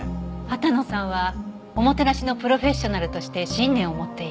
羽田野さんはおもてなしのプロフェッショナルとして信念を持っている。